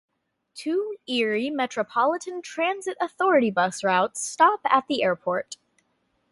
Two Erie Metropolitan Transit Authority bus routes stop at the airport.